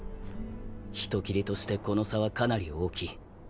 人斬りとしてこの差はかなり大きい。